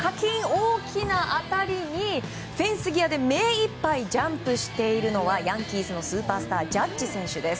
大きな当たりにフェンス際でめいっぱいジャンプしているのはヤンキースのスーパースタージャッジ選手です。